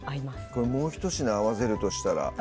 これもう一品合わせるとしたら？